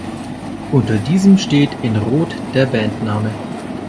Unter diesem steht in Rot der Bandname.